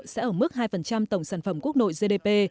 sẽ ở mức hai tổng sản phẩm quốc nội gdp